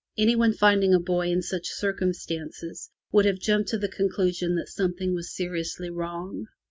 Anyone finding a buoy in such circumstances would have jumped to the conclusion that something was seriously wrong.